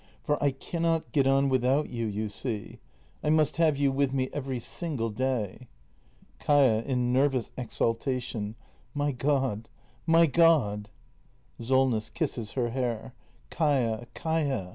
] For I cannot get on without you, you see. I must have you with me every single day. Kaia. [In nervous exaltation.] My God! My God! Solness. [Kisses her hair.] Kaia — Kaia!